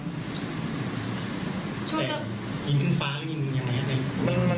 แต่ยิงขึ้นฟ้าหรือยังไง